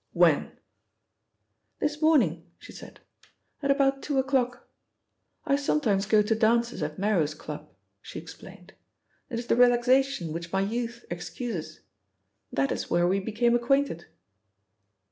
"When?" "This morning," she said, "at about two o'clock. I sometimes go to dances at Merros Club," she explained. "It is the relaxation which my youth excuses. That is where we became acquainted."